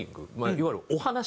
いわゆるお話。